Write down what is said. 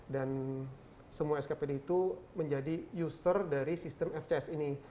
dan semua skpd itu menjadi user dari sistem fcs ini